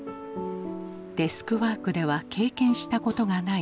デスクワークでは経験したことがない